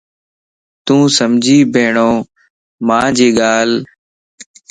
توسمجھي ٻيڻھونَ مانجي ڳالھه؟